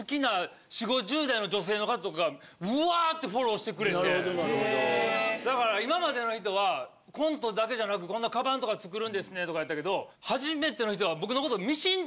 の方とかがウワッてフォローしてくれてだから今までの人はコントだけじゃなくこんなカバンとか作るんですねとかやったけど初めての人は。